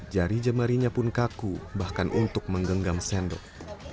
jari jemarinya pun kaku bahkan untuk menggenggam sendok